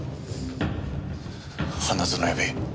花園呼べ。